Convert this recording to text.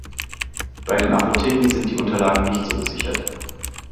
Bei den Apotheken sind die Unterlagen nicht so gesichert.